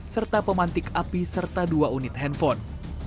serta pemantik api serta dua unit handphone